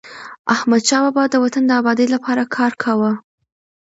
احمدشاه بابا د وطن د ابادی لپاره کار کاوه.